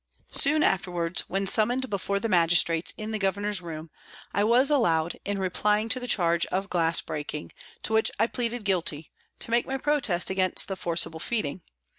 Soon afterwards, when summoned before the Magistrates in the Governor's room, I was allowed, in replying to the charge of glass breaking, to which I pleaded guilty, to make my protest against the forcible feeding.